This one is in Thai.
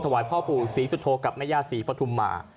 ถวายพ่อปู่ศรีสุโธกับแม่ย่าศรีปฐุมมา